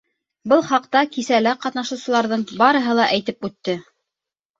Был хаҡта кисәлә ҡатнашыусыларҙың барыһы ла әйтеп үтте.